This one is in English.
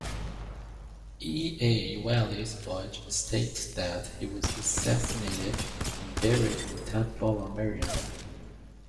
E. A. Wallis Budge states that he was assassinated, and "buried in Tadbaba Maryam".